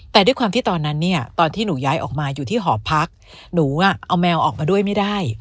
แต่ด้วยความที่ตอนนั้นเนี่ยตอนที่หนูย้ายออกมาอยู่ที่หอพักหนูเอาแมวออกมาด้วยไม่ได้